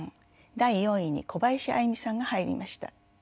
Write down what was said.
第４位に小林愛実さんが入りました。